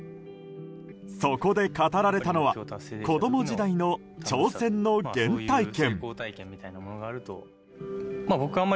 そこで語られたのは子供時代の挑戦の原体験。